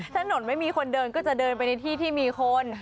ถนนไม่มีคนเดินก็จะเดินไปในที่ที่มีคน